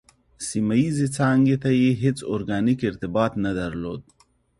سیمه ییزې څانګې یې هېڅ ارګانیک ارتباط نه درلود.